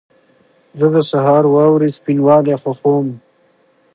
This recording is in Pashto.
زه د سهار واورې سپینوالی خوښوم.